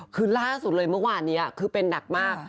คือล่าสุดเลยเมื่อวานนี้คือเป็นหนักมาก